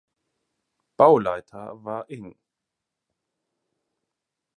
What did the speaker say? Bauleiter war Ing.